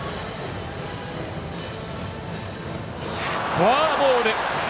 フォアボール。